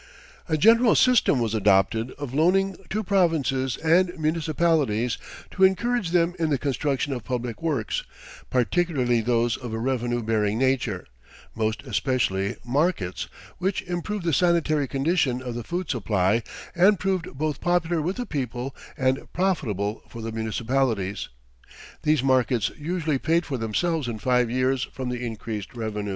"A general system was adopted of loaning to provinces and municipalities to encourage them in the construction of public works, particularly those of a revenue bearing nature; most especially markets, which improved the sanitary condition of the food supply and proved both popular with the people and profitable for the municipalities; these markets usually paid for themselves in five years from the increased revenues.